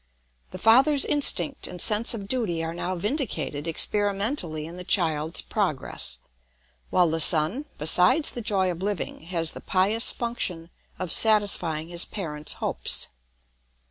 The father's instinct and sense of duty are now vindicated experimentally in the child's progress, while the son, besides the joy of living, has the pious function of satisfying his parent's hopes.